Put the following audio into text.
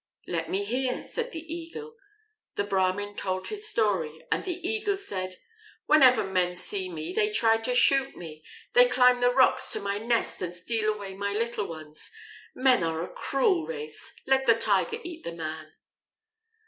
"Let me hear," said the Eagle. The Brahmin told his story, and the Eagle said: "Whenever men see me, they try to shoot me; they climb the rocks to my nest and steal away my little ones. Men are a cruel race. Let the Tiger eat the man."